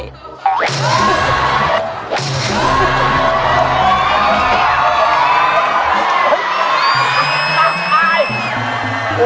โอ๊โห